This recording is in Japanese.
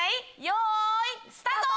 よいスタート！